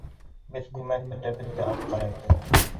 Беҙ күмәк, бөтәбеҙ ҙә ат ҡарайбыҙ.